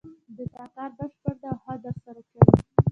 د تا کار بشپړ ده او ښه د ترسره کړې